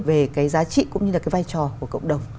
về cái giá trị cũng như là cái vai trò của cộng đồng